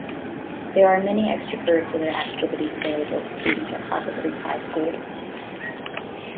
There are many extracurricular activities available to students at Harper Creek High School.